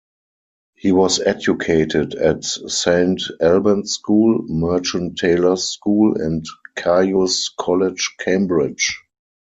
He was educated at Saint Albans School, Merchant Taylors' School, and Caius College, Cambridge.